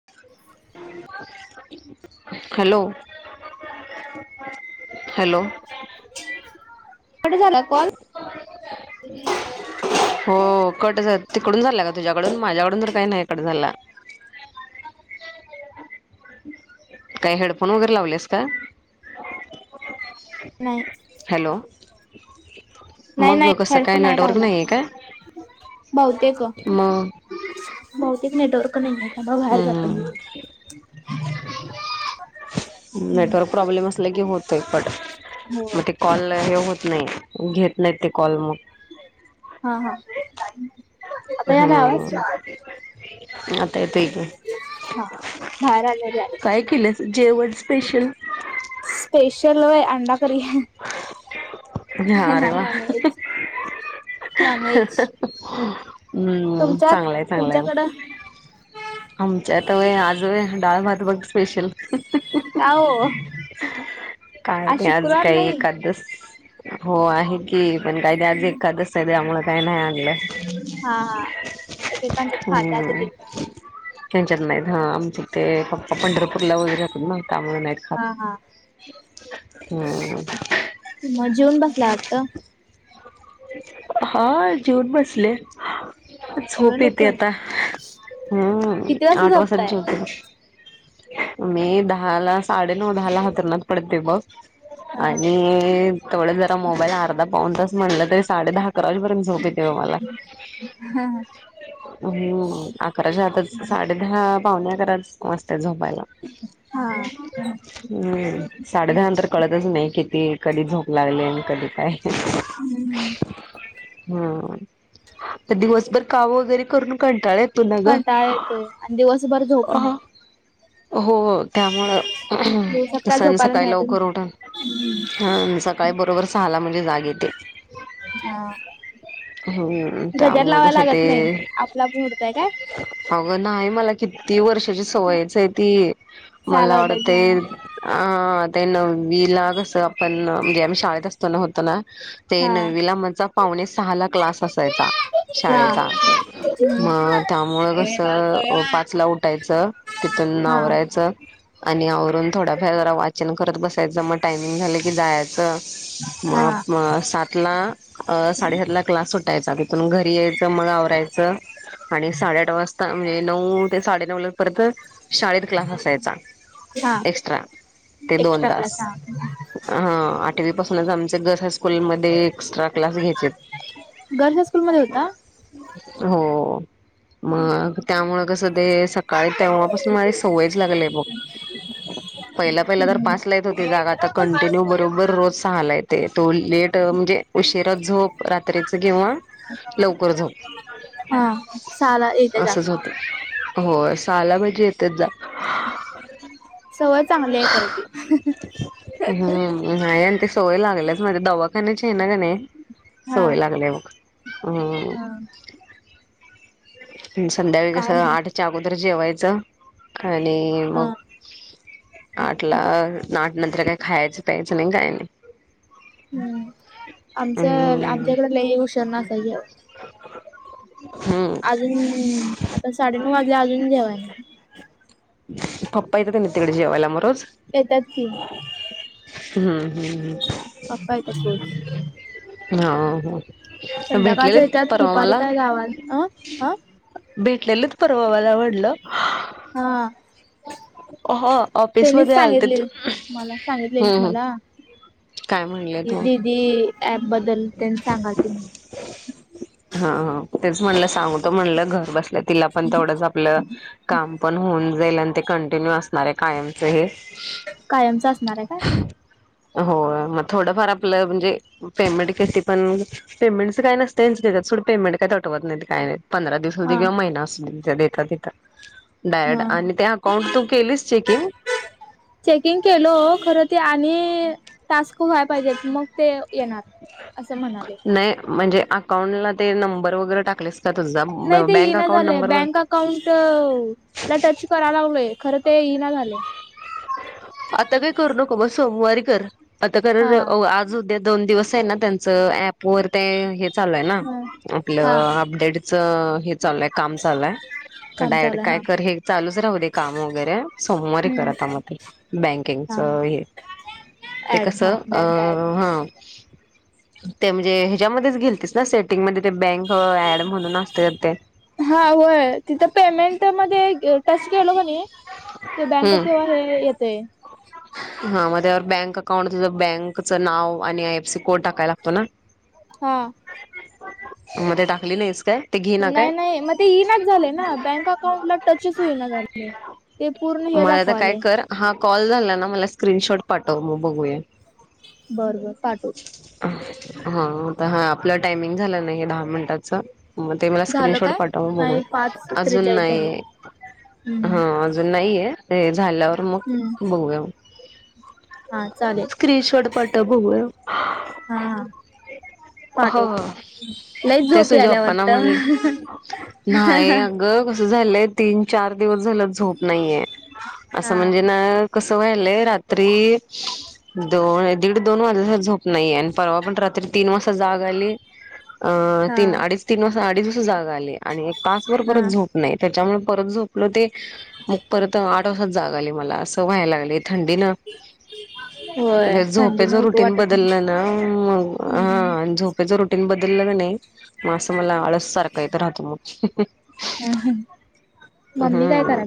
[inaudible] Hello [unintelligible] hello [inaudible] [unintelligible] call हो cut झा तिकडून झाला का तुझ्याकडून माझ्याकडून तर काही नाही कट झाला. काय हेडफोन वगैरे लावलेस काय? नाहीच हॅलो नाही मग नाही कसं काय हेडफोन नेटवर्क लावला नाही आहे काय बहुतेक मग? बहुतेक नेटवर्क नाही. थांबा बाहेर जाते हम्म मी [unintelligible] नेटवर्क प्रॉब्लेम असलं की होतय कट हो म ते कॉल हे होत नाही घेत नाहीत ते कॉल मग हा हा हं हंम आता यायलाय हम्म आवाज आता येतोय की [unintelligible] हा बाहेर आल्यावर काय केलंस जेवण या स्पेशल [inaudible] स्पेशल होय अंडा करी हं अरे वाह! हं नॉनव्हेज हं हं हं हं नॉनव्हेज हं हम्म ह्म्म तुमच्यात चांगलं आहे चांगलं आहे. तुमच्याकडं आमच्या त व्हय आज व्हय डाळ भात बघ स्पेशल का ओ.. काय नी आज काही नाही एकादस हो आहे की की पण काय नाय आज एखादस च त्यामुळे काय नाय आणलं हा हा एकेकांच्यात हम्म खातात ह्म ह्म एकेकांच्यात त्यांच्यात नाहीत हा आमचे ते पप्पा पंढरपूरला वगैरे असतात ना त्यामुळे नाही खात. हा हा.. हो मं मग जेवून बसल्या वाटतं हा आ जेवून बसले. एवढ्या झोप येते लवकर आता हम्म किती वाजता आठ वाजताचं झोपताय झोप येते. मी दहा ला साडे नऊ दहा ला हंतरणात पडते बघ हा आणि तेवड्या जरा मोबाईल अर्धा पौन तास म्हणलं तरी साडे दहा अकरा वाजेपर्यंत झोप ये तेव मला हा हम्म अकराच्या आतच साड दहा पावणे अकरा वाजते झोपायला. हा हम्म साडे दहा नंतर कळतच नाही किती? कधी झोप लागली आणि कधी काय [inaudible] हंम ह्म्म ह्म्म दिवसभर काम वगैरे करून कंटाळा येत कंटाळा येतोय आणि दिवसभर झोप नाही. हो हो दिवसात त्यामुळं काय सं झोपायला सकाळी मिळतच लवकर नाही. उठून हम्म स काळी बरोबर सहाला म्हणजे जाग येते. हा हमं हमं गजर त्यामुळं कसं लावायला ते लागत नाही. आपला आपण उठताय काय? अगं नाही मला किती वर्षाची सवयच हे ती मला सहाला उठायची वाटते हा आं ते नव्वीला कसं आपण म्हणजे आम्ही शाळेत असताना होतो ना ते हा. नववीला आमच्या पावणे सहा ला क्लास असायचा. हा शाळेचा म त्यामुळं कसं अ पाचला उठायचं. तिथून म हा आवरायचं आणि आवरून थोडंफार जरा वाचन करत बसायचं मग टायमिंग झालं की जायचं. हा. मप म सात ला अ साडेसात ला क्लास सुटायचा तिथून घरी यायचं मग आवरायचं आणि साडेआठ वाजता म्हणजे नऊ ते साडेनऊ ला परत शाळेत क्लास असायचा. हा एक्स्ट्रा ते दोन एक्स्ट्रा क्लास तास हा हा आठ कधीपासूनच आमच्या [unintelligible] स्कूल मध्ये एस्ट्रा क्लास घ्यायचेत. गर्ल्स हायस्कूल मध्ये होता? हो. मग त्यामुळ कसं ते सकाळी तेव्हापासून मला सवयच लागली बघ. पहिल्या पहिला तर पाचला येत होती जागा आता कंटिन्यू बरोबर रोज पहायला येते तो लेट म्हणजे उशिरा झोप रात्रीचा किंवा लवकर झोप. हा सहाला येत्या जा. हो सहाला भजी येतं जा सवय चांगली आहे खरं ते [unintelligible] नाय आणि ते सोय लागलेच माझं दवाखान्याची आहे ना का नाही हा सोय लागल्या मग हम्म. हा. संध्याकाळी काय कसं मग आठच्या अगोदर जेवायचं आणि मग. हा आटला नाट नंतर काही खायचं पायायचं नाय काय नाय. हम्म आमच हम्म आमच्याकडे लई उशीरन असायचं हम्म अजून आता साडेनऊ वाजले अजून जेवायला पप्पा इकडे नाय तिकडे जेवायला म रोज येतात ती हम्म हम्म हम्म. पप्पा येतात रोज. हा हो संध्याकाळच भेटलेलीत येतात परवा दुपारी मला. काय गावात अ ह भेटलेलीत परवा मला म्हटलं हा. हो ऑफिस त्यांनीच मध्ये आलते सांगितले मला सांगितलेली हम्म हम्म. मला काय म्हणलेयत म? ती ऍप बद्दलतेन सांगाल तिनी. हा हा तेच म्हणलं सांगतो म्हणलं घर बसल्या तिला पण तेवढंच आपलं काम पण होऊन जाईल आणि ते कंटिन्यू असणार आहे कायमच हे. कायमचा असणार आहे काय? होय म थोडंफार आपलं म्हणजे पेमेंट कती पण पेमेंटचा काय नसते [unintelligible] पेमेंट कटवत नाही काय नाही पंधरा दिवस थोडी हा ग्यो महिना असून त्या देतात देतात डायरेट हा आणि त्या अकाउंट तू केलीस चेकिंग? चेकिंग केलं खरं ते आणि टास्क व्हाय पाहिजेत मग तेव येणार असं म्हणाले. नाही म्हणजे अकाउंटला ते नंबर वगैरे टाकलेस का तुझा नाही ते बँक येईना अकाउंट झालंय नंबर व बँक अकाउंट... ला टच करा लागलोय खरं ते येईना झालंय. आता काही करू नको मग सोमवारी कर आता कारण हा अव आज उद्या दोन दिवस आहे ना त्यांच ऍप वर ते हे चालू आहे ना आपलं हा अपडेट चा हे चाललय काम चाललंय. तर काम चालू डायरेक्ट आहे काय हा कर हे चालूच राहू दे काम वगैरे सोमवारी कर आता म ते. हा बँकिंगचा हे ते हा ऍड हा कसं अ बँक ऍड हं ते म्हणजे ह्याच्यामध्येच गेलतीलस ना सेटिंग मध्ये ते बँक ऍड म्हणून असते ते. हा होय तिथं पेमेंट मध्ये टच केलो क नी ते बँक हम्म किंवा हे येतेय हा मग त्यावर बँक अकाउंट तुझा बँकचं नाव आणि आय एफ सी कोड टाकायला लागतो ना. हां. म ते टाकली नाहीस काय? ते घे ना नाही काय नाही मग ते येईनाच झाले ना बँक अकाउंटला टचच होईना झाले. ते पूर्ण हे मला आता काय दाखवाले कर हा कॉल झाला ना मला स्क्रीनशॉट पाठव मग बघूया. बर बर पाठवते. हा तर हा आपलं टायमिंग झालं नाही दहा मिनिटाच. म ते मला झालं स्क्रीनशॉट काय पाठव बघू नाही पाच अजून त्रेचाळीस झाले नाही हम्म हा अजून नाहीय हे झाल्यावर मग हम्म बघूया. हा चालेल स्क्रीनशॉट पाठव बघू या. हा हो पाठवतो लईच तेच झोप तुझं यायला पप्पाना वाटत म्हणलं नाहीय गं कसं झालंय तीन-चार दिवस झालं झोप नाहीये असं हा म्हणजे ना कसं वय लय रात्री दोन दीड दोन वाजे झोप नाही आणि परवा पण रात्री तीन वाजता जाग आली अ हा तीन अडीच. तीन वाजा अडीच वाज जागा आली आणि एक तासवर परत हा झोप नाही त्याच्यामुळे परत झोपलं ते मग परत आठ वाजता जाग आली मला असं व्हायला लागले थंडी ना होय थंडीने झोपेचा उठू रुटीन वाटत बदलला ना मग हा आणि झोप त्याच्या रुटीन बदललं क नाही मग असं मला आळस सारखा येत राहतो मग. ह ह. हम्म.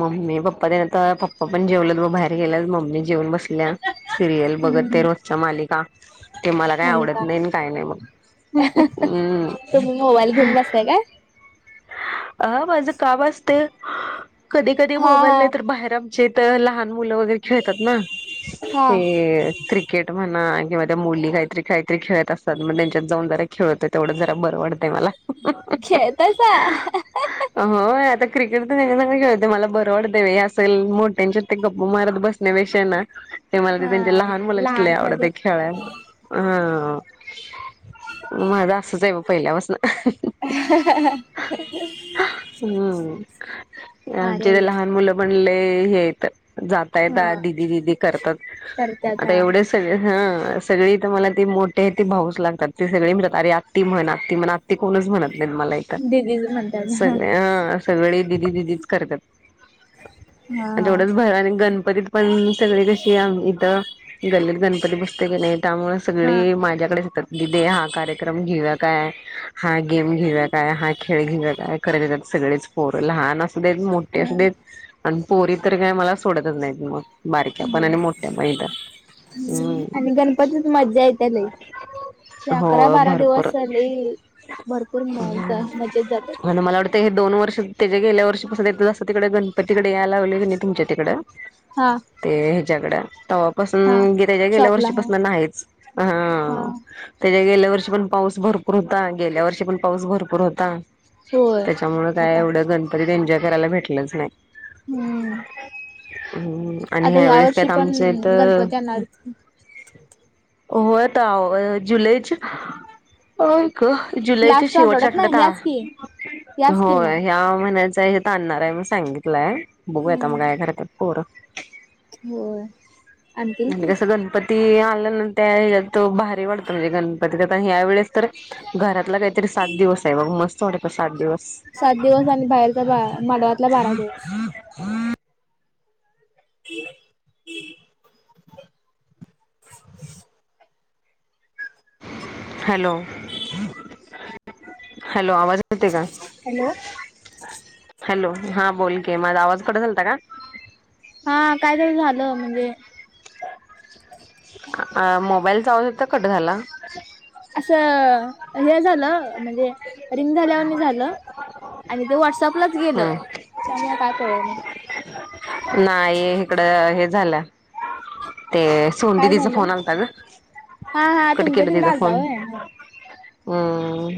मम्मी पप्पा तेन आता पप्पा पण जेवलत म बाहेर गेल्या मम्मी जेवन बस पल्या सिरियल बघत ते हम्म. रोजच्या मालिका ते मला काही आवडत मालिका नाही नी काय नाय मग तुम्ही मोबाईल हम्म. घेऊन बसताय काय? हा माझं काम असते कधी कधी हा मोबाईल नाही हा तर बाहेर छेत लहान मुलं वगैरे खेळतात ना हा ते क्रि केट म्हणा किंवा त्या मुली काहीतरी काहीतरी खेळत असतात मग त्यांच्यात जाऊन जरा खेळतोय तेवढं जरा बरं वाडतय मला. खेळतासा होय आता क्रिकेट तर ह्यांच्यासंग खेळते मला बरं वाटत हे असेल मोठ्यांच्या ते गप्प मारत बसते. नैवेशना ते मला ते हा त्यांचे लहान मुलं लई आवडत हाय खेळायला. हा माझं असच आहे म पहिल्यापासनं. [inaudible] हम्म भारी आमचे आहे ते घ्या. लहान मुलं पण लय हेत. जाता हा येता दिदी दिदी करतात करत्यात आता हा एवढेच सगळे हं सगळी तर मला ते मोठे ते भाऊस लागतात ती सगळी म्हणतात अरे आत्ती म्हण आत्ती म्हण आ ते कोणच म्हणत नाहीत मला एक दिदीज म्हण सगळे हा सगळे दिदी दिदीच करत्यात. तेवढंच भर आणि गणपतीत पण सगळी कशी आ इथं गल्लीक गणपती बसतय क नाही त्यामुळे हा. सगळी माझ्याकडेच येतात. दीदी हा कार्यक्रम घेऊया काय, हा गेम घेऊया काय, हा खेळ घेऊ काय खरे येतात सगळेच पोर लहान असू देत मोठे असू हा देत. आणि पोरी तर काय मला सोडतच नाहीत मग. बारक्या पण हो आणि मोठ्या पण इथं आणि हम्म गणपतीच मज्जा येत्या लई. ते हो अकरा बारा भरपूर दिवस लई भरपूर मॉन्क मजेत जात म्हणे मला वाटतं हे दोन वर्ष त्याच्या गेल्या वर्षी [unintelligible] तिकडे गणपतीकडे याय लावले क नी तुमच्या तिकडे. हा. ते ह्याच्याकडं हा तेव्हापासून [unintelligible] गेल्या शॉपला हा वर्षीपासून नाहीच हा. त्याच्या गेल्या वर्षी पण पाऊस भरपूर होता गेल्या वर्षी पण पाऊस भरपूर होता. होय त्याच्यामुळं काय होता एवढं गणपतीत एन्जॉय करायला भेटलंच नाही. हम्म हम्म आणि आता ह्या ह्यावेेळेस वर्षी कायत पण आमच्यात गणपती आणणार होय ताव जुलैच हो जुलैच्या लास्ट शेवटच्या ना आठवड्यात आ ह्याच की याच की मग होय ह्या महिन्याचा हे आणणार आहे म्हणून सांगितलाय, बघूया आता मग हम्म काय करतात पोरं. होय. आणतील म्हणजे की जसं गणपती आलं ना त्या हेज्यत तो भारी वाटतो, म्हणजे गणपती आता ते ह्या वेळेस तर घरातला काहीतरी सात दिवस आहे बघ. मस्त वाटतं सात दिवस. सात दिवस आणि बाहेरचा [unintelligible] मांडवातला बारा दिवस. [unintelligible] [unintelligible] हॅलो, हॅलो आवाज ये येते का? हॅलो हॅलो, हा बोल की माझा आवाज कट झालत का? हा काय तरी झालं म्हणजे अ मोबाईल आवाज होता कट झाला. असं हे झालं म्हणजे रिंग झाल्यावाणी झालं. आणि ते वॉट्सअपलाच गेलं, हम्म त्यामुळं काय कळलं नाही. नाही हिकडं हे झालं ते सोनु काय दीदीचा झालं फोन आला होता गं, कट केलं तिचा फोन. हॅलो. हं,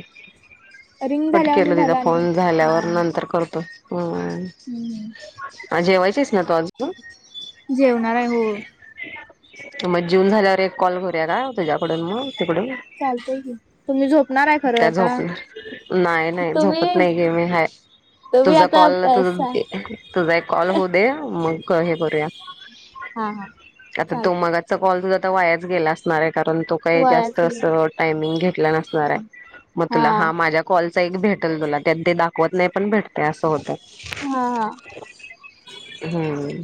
रिंग कट केलं झाल्यावानी तिचं झालं आणि फोन हा झाल्यावर नंतर करतो. हं, हम्म आणि जेवायची हायस? नाही तो अजून जेवणार आहे हो मग जेवून झाल्यावर एक कॉल करूया का तुझ्याकडून मग तिकडून? चालतयं की, तुम्ही झोपणार आहे खरं काय आता. झोपणार नाही नाही झोपत तुम्ही नाही घे मी हाय. तुम्ही तुझा आता कॉलला तुझ पैसा ते तुझा एक कॉल होऊ दे, मग क हे करूया. हा हा आता तो चालते मगाच तो कॉल तुझा आता वायाच गेला असणार आहे, कारण तो काही जास्त वयाचे असं अ टाईमिंग घेतलं नसणार आहे, मग तुला हा माझ्या कॉलचा एक भेटेल तुला त्यात ते दाखवत नाही, पण भेटतंय असं होतात. हा, हा. हम्म.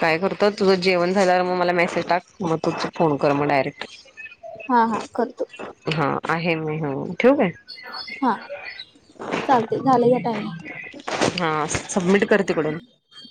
काय करतो तुझं जेवण झाल्यावर मग मला मेसेज टाक. मग तुच फोन कर मग डायरेक्ट. हा, हा करतो. हा आहे मी [unintelligible] हा चालतंय झालंय घ्या टायमींग. हा सबमिट कर तिकडून.